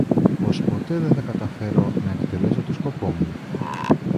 Πως ποτέ δε θα καταφέρω να εκτελέσω το σκοπό μου